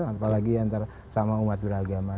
apalagi antara sama umat beragama